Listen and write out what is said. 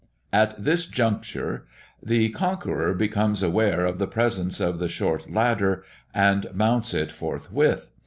_" At this juncture, the conqueror becomes aware of the presence of the short ladder, and mounts it forthwith.